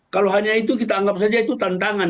kalau hanya itu kita anggap saja itu tantangan